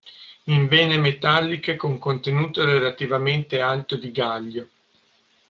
In vene metalliche con contenuto relativamente alto di gallio.